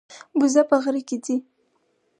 بوزه په غره کې ځي.